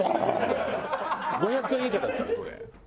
５００円以下だったらどれ？